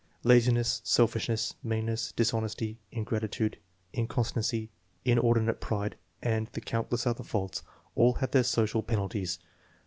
Laziness, selfishness, meanness, dishonesty, ingratitude, inconstancy, inordinate pride, and the countless other faults all have their social penalties.